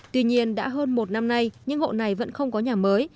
tuy nhiên đã hơn một năm nay những hộ này vẫn không có nhà mới